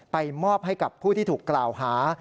มอบให้กับผู้ที่ถูกกล่าวหา